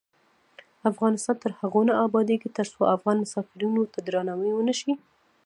افغانستان تر هغو نه ابادیږي، ترڅو افغان مسافرینو ته درناوی ونشي.